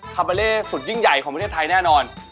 คาเบอร์เล่สุดยิ่งใหญ่ของประเทศไทยแน่นอน